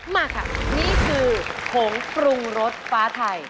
มาค่ะนี่คือผงปรุงรสฟ้าไทย